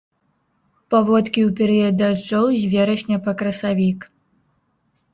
Паводкі ў перыяд дажджоў, з верасня па красавік.